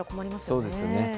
そうですよね。